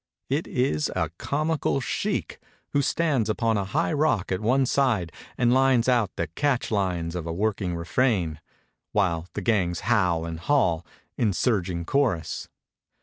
It is a comical sheikh, who stands upon a high rock at one side and lines out the catch lines of a working refrain, while the gangs howl and haul, in a surging chorus.